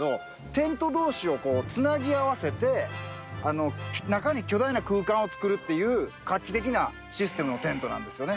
テント同士をこう繋ぎ合わせて中に巨大な空間を作るっていう画期的なシステムのテントなんですよね。